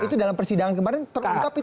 itu dalam persidangan kemarin terungkap